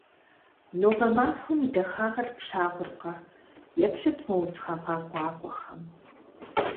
Нобэ махуэм и дахагъэр плъагъуркъэ? Еплъыт мо удз гъэгъа гуакӀуэхэм.